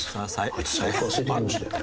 あいつ財布忘れていきましたよ。